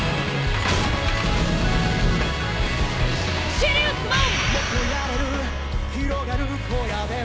シリウスモン！